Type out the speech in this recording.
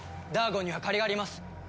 ダーゴンには借りがあります。